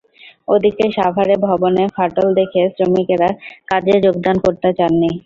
ওদিকে সাভারে ভবনে ফাটল দেখে শ্রমিকেরা কাজে যোগদান করতে চাননি।